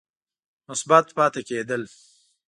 مثبت پاتې کېد ل